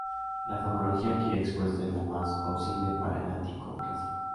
La fonología aquí expuesta es la más plausible para el ático clásico.